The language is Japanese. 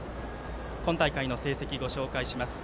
今大会の成績、ご紹介します。